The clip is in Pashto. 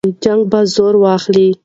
جنګ به زور واخلي.